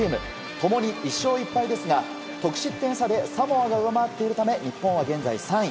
共に１勝１敗ですが得失点差でサモアが上回っているため日本は現在３位。